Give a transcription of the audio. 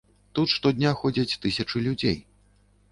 Тут штодня ходзяць тысячы людзей.